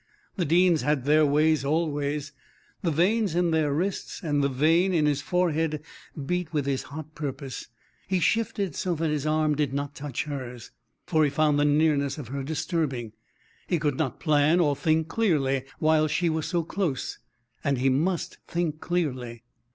The Deans had their way always. The veins in his wrists and the vein in his forehead beat with his hot purpose. He shifted so that his arm did not touch hers, for he found the nearness of her disturbing; he could not plan or think clearly while she was so close. And he must think clearly.